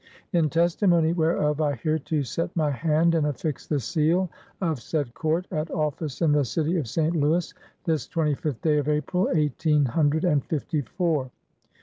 " In testimony whereof, I hereto set my hand and affix the seal of said Court, at office in the city of St. Louis, this 25th day of April, eighteen hundred and fifty four.